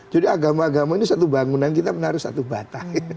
jadi agama agama ini satu bangunan kita menaruh satu batah